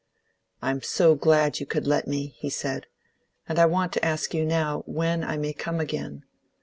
"I'm so glad you could let me!" he said, "and I want to ask you now when I may come again.